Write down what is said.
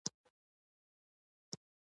امرا هم په دغه کلا کې بندیان کېدل.